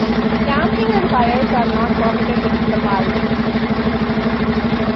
Camping and fires are not permitted within the park.